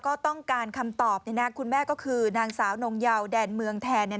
ก็อยู่ในความดูแลของโรงพยาบาลแล้ว